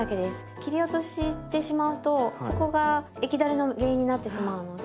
切り落としてしまうとそこが液だれの原因になってしまうので。